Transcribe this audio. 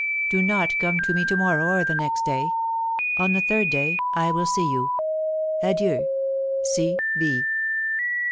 * Do not come to me to morrow or the next day. On the third day I will see you. * Adieu, 'a V.'